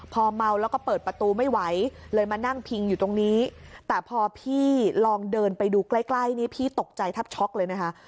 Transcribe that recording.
พอเมาแล้วก็เปิดประตูไม่ไหวเลยมานั่งพิงอยู่ตรงนี้แต่พอพี่ลองเดินไปดูใกล้ใกล้นี่พี่ตกใจแทบช็อกเลยนะคะ